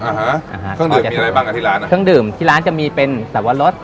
อ่าฮะเครื่องดื่มมีอะไรบ้างอ่ะที่ร้านอ่ะเครื่องดื่มที่ร้านจะมีเป็นสวรรค์รถ